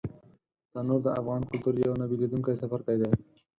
تنور د افغان کلتور یو نه بېلېدونکی څپرکی دی